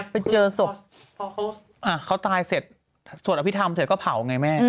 ไปเจอศพเขาตายเสร็จสวดอภิษฐรรมเสร็จก็เผาไงแม่